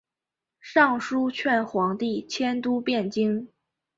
上书劝皇帝迁都汴京。